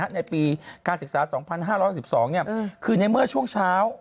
ในปีการศึกษา๒๕๖๒คือในเมื่อช่วงเช้า